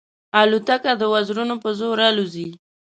الوتکه د وزرونو په زور الوزي.